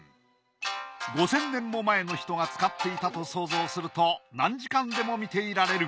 ５，０００年も前の人が使っていたと想像すると何時間でも見ていられる。